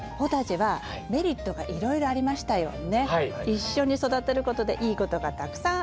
一緒に育てることでいいことがたくさんあるよって。